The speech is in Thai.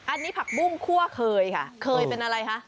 อันนี้ผักบุ้งคั่วเคยค่ะเคยเป็นอะไรคะ